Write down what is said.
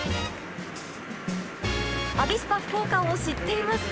アビスパ福岡を知っていますか？